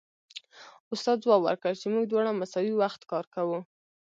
استاد ځواب ورکړ چې موږ دواړه مساوي وخت کار کوو